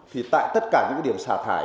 thì tại tất cả những điểm xả thải